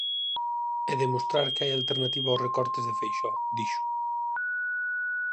E demostrar que hai alternativa aos recortes de Feixóo, dixo.